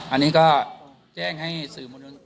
อันนี้ก็แจ้งให้สื่อมวลชน